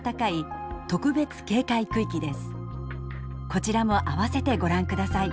こちらも併せてご覧ください。